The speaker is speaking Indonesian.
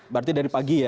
berarti dari pagi ya